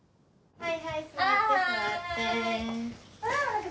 はい。